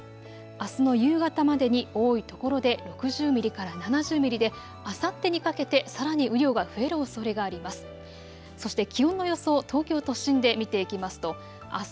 あすの夕方までに多いところで６０ミリから７０ミリで、あさってにかけてさらに雨量が増えるおそれがあります。